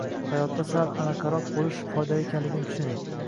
Hayotda sal anaqaroq bo’lish foydali ekanligini tushuning